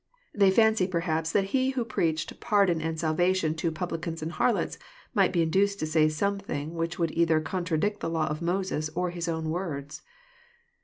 They fancied perhaps that He who preached pardon and salvation to ^' publicans and harlots " might be Induced to say some thing which would either contradict the law of Moses, or His own words.